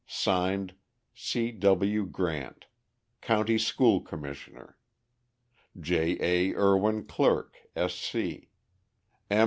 (Signed) C. W. GRANT, County School Commissioner. J. A. ERWIN CLERK, S. C., M.